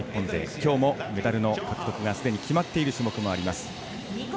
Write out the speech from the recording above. きょうもメダルの獲得がすでに決まっている種目があります。